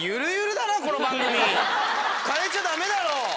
変えちゃダメだろう！